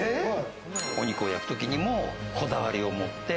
お肉を焼くときにもこだわりを持って。